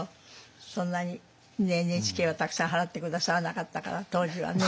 そんなにＮＨＫはたくさん払って下さらなかったから当時はね。